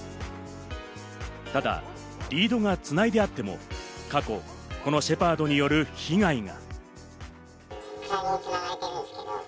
ただリードがつないであっても過去、このシェパードによる被害が。